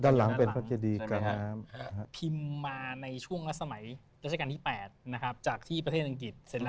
ด้านหลังเป็นประเทศการที่๘จากที่ประเทศอังกฤษ